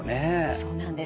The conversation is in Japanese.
そうなんです。